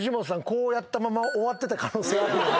こうやったまま終わってた可能性あるよね。